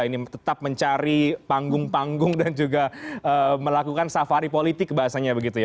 ini tetap mencari panggung panggung dan juga melakukan safari politik bahasanya begitu ya